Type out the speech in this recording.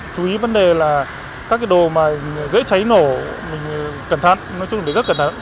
chú ý vấn đề là các cái đồ mà dễ cháy nổ mình cẩn thận nói chung là rất cẩn thận